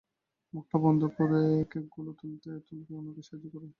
মুখটা বন্ধ করে কেকগুলো তুলতে উনাকে সাহায্য করো।